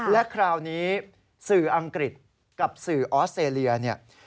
และคราวนี้สื่ออังกฤษกับสื่อออสเตรเลียเนี่ย